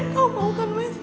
kamu maukan mas